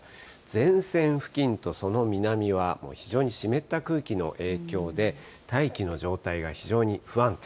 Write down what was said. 前線付近とその南は、もう非常に湿った空気の影響で、大気の状態が非常に不安定。